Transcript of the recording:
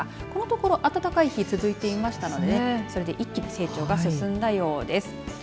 このところ暖かい日が続いていましたのでそれで一気に成長が進んだようです。